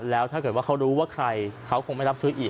แล้วถ้าเกิดว่าเขารู้ว่าใครเขาคงไม่รับซื้ออีก